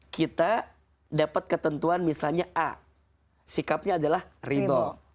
kita dapat ketentuan misalnya a sikapnya adalah ridho